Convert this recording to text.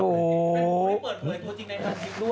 แบบโตไม่เปิดเผยตัวจริงในพาทิบด้วย